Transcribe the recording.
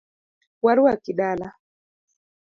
Waruaki dala.